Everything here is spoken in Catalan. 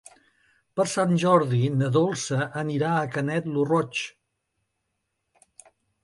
Per Sant Jordi na Dolça anirà a Canet lo Roig.